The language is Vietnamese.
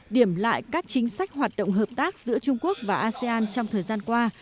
điểm lại các chính sách hoạt động hợp tác giữa trung quốc và asean trong thời gian qua